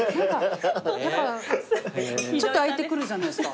やっぱちょっと空いて来るじゃないですか。